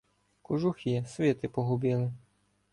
Кожухи, свити погубили